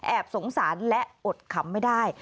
สงสารและอดขำไม่ได้